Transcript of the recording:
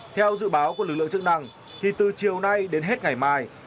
theo dự báo của lực lượng chức năng thì từ chiều nay đến hết ngày mai